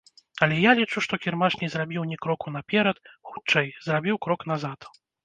Але я лічу, што кірмаш не зрабіў ні кроку наперад, хутчэй, зрабіў крок назад.